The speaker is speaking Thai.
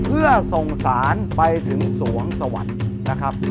เพื่อส่งสารไปถึงสวงสวรรค์นะครับ